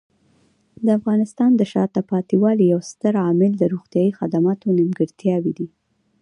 د افغانستان د شاته پاتې والي یو ستر عامل د روغتیايي خدماتو نیمګړتیاوې دي.